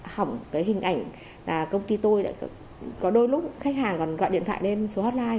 hỏng cái hình ảnh công ty tôi có đôi lúc khách hàng còn gọi điện thoại lên số hotline